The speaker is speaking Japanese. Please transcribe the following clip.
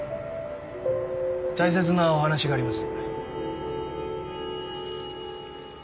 大切なお話があります。